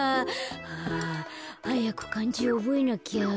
はあはやくかんじおぼえなきゃ。